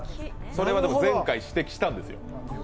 それはでも、前回指摘したんですよ